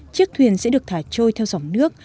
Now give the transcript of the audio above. chiếc thuyền sẽ được thả trôi theo dòng nước